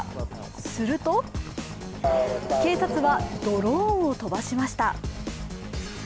すると警察はドローンを飛ばしました。